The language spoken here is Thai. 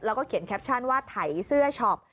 แล้วก็เขียนแคปชั่นว่าไถเสื้อช็อป